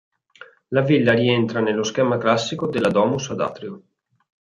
La villa rientra nello schema classico della "Domus" ad atrio.